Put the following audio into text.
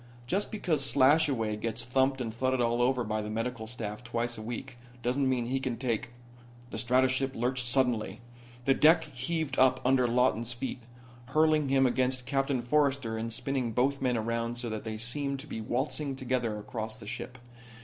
Just because Slashaway gets thumped and thudded all over by the medical staff twice a week doesn't mean he can take " The stratoship lurched suddenly. The deck heaved up under Lawton's feet, hurling him against Captain Forrester and spinning both men around so that they seemed to be waltzing together across the ship.